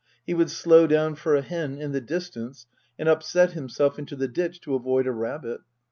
He would slow down for a hen in the distance and upset himself into the ditch to avoid a rabbit.